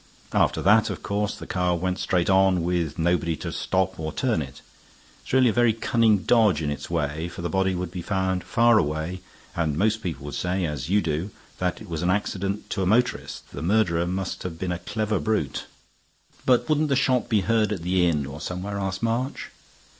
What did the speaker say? After that, of course, the car went straight on with nobody to stop or turn it. It's really a very cunning dodge in its way; for the body would be found far away, and most people would say, as you do, that it was an accident to a motorist. The murderer must have been a clever brute." "But wouldn't the shot be heard at the inn or somewhere?" asked March.